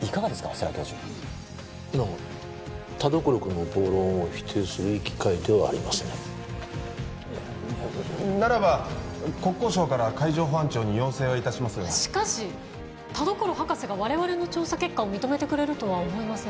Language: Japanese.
世良教授まあ田所君の暴論を否定するいい機会ではありますねならば国交省から海上保安庁に要請はいたしますがしかし田所博士が我々の調査結果を認めてくれるとは思えません